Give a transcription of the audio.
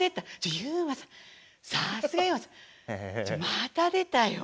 また出たよ。